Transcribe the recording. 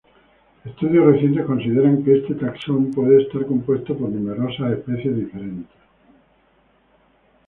Estudios recientes consideran que este taxón puede estar compuesto por numerosas especies diferentes.